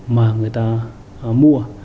mà người ta mua